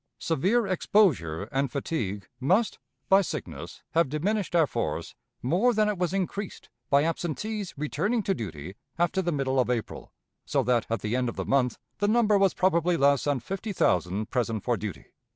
Severe exposure and fatigue must, by sickness, have diminished our force more than it was increased by absentees returning to duty after the middle of April, so that at the end of the month the number was probably less than fifty thousand present for duty.